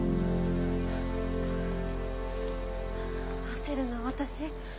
焦るな私！